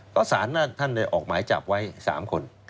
ก็สารนั่นท่านได้ออกหมายจับไว้๓คน